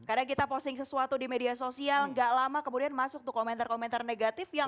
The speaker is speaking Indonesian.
karena kita posting sesuatu di media sosial nggak lama kemudian masuk tuh komentar komentar negatif yang